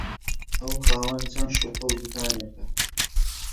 ئەو خاوەنی چەند شوقە و دوکانێکە